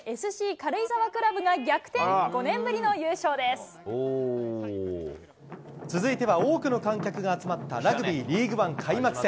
軽井沢クラブが逆転、続いては多くの観客が集まったラグビーリーグワン開幕戦。